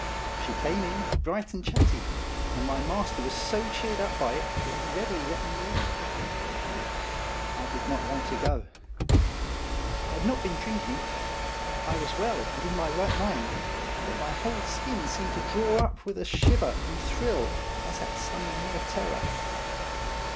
She came in, bright and chatty, and my master was so cheered up by it that he readily let me leave. I did not want to go. I had not been drink ing ; I was well and in my right mind, but my whole skin seemed to draw up with a shiver and thrill as at some near terror.